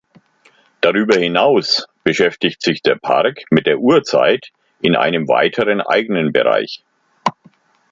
Darüber hinaus beschäftigt sich der Park mit der Urzeit in einem weiteren, eigenen Bereich.